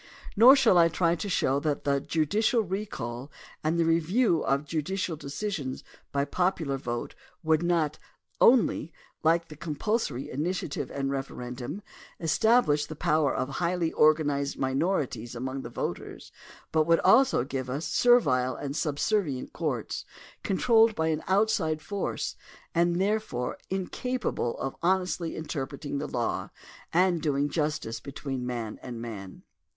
Nor shaU I try to show that the judicial recall and the review of judicial decisions by popular vote would not only, like the compulsorj^ initiative and referendum, establish the power of highly organized minorities among the voters but would also give us servile and subservient courts controlled by an out side force and therefore incapable of honestly inter preting the law and doing justice between man and man.